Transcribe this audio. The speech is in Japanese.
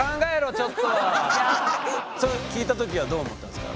それ聞いた時はどう思ったんですか？